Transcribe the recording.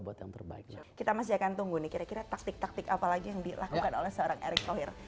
kita masih akan tunggu nih kira kira taktik taktik apa lagi yang dilakukan oleh seorang erick thohir